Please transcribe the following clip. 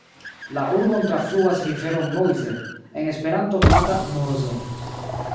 La urbon trafluas rivero Meuse, en Esperanto nomata Mozo.